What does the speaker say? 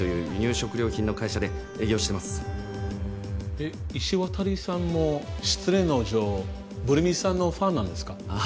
え石渡さんも失恋の女王・ブル美さんのファンなんですか？